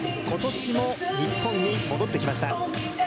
今年も日本に戻ってきました。